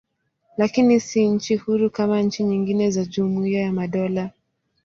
Lakini si nchi huru kama nchi nyingine za Jumuiya ya Madola.